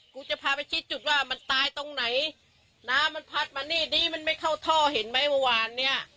กูจะพาไปชี้จุดว่ามันตายตรงไหนน้ำมันพัดมานี่ดีมันไม่เข้าท่อเห็นไหมเมื่อวานเนี้ย